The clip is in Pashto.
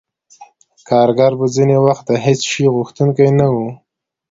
کارګر به ځینې وخت د هېڅ شي غوښتونکی نه وو